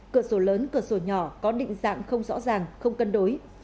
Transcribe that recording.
cửa sổ lớn cửa sổ nhỏ có định dạng không rõ ràng không cân đối